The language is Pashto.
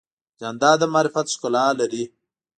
جانداد د معرفت ښکلا لري.